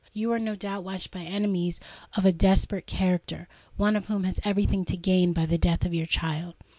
You are no doubt watched by enemies of a desperate character—one of whom has every thing to gain by the death of your child."